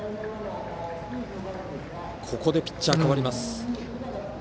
ここでピッチャーかわります。